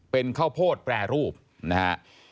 เป็นข้าวโพดแปรรูปนะฮะ